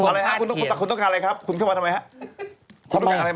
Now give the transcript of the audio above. อะไรครับคุณต้องคุณต้องการอะไรครับคุณเข้ามาทำไมครับ